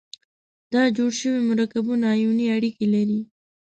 دا جوړ شوي مرکبونه آیوني اړیکې لري.